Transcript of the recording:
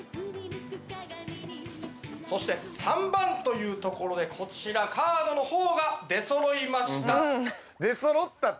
そして３番というところでこちらカードの方が出そろいました。